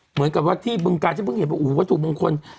เหมือนกับวัตถุบังคล